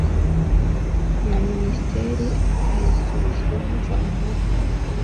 na minisiteri akayasubizwa havanyweho